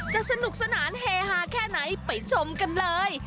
สนุกสนานเฮฮาแค่ไหนไปชมกันเลย